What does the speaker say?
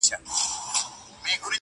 او دا بل جوال د رېګو چلومه-